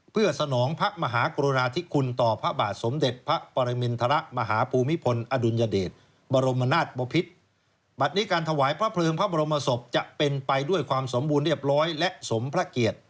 เป็นไปด้วยความสมบูรณ์เรียบร้อยและสมพระเกียรติ